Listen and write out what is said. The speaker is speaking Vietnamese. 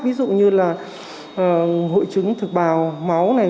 ví dụ như là hội chứng thực bào máu này